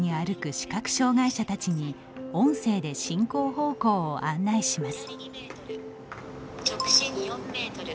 視覚障害者たちに音声で進行方向を案内します。